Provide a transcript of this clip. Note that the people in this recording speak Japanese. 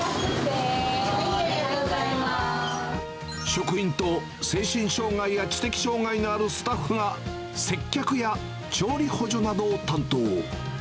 職員と精神障がいや知的障がいのあるスタッフが接客や調理補助などを担当。